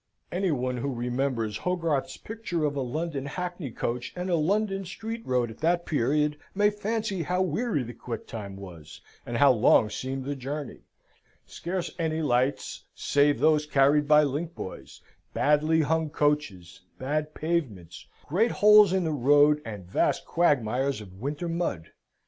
Any one who remembers Hogarth's picture of a London hackneycoach and a London street road at that period, may fancy how weary the quick time was, and how long seemed the journey: scarce any lights, save those carried by link boys; badly hung coaches; bad pavements; great holes in the road, and vast quagmires of winter mud.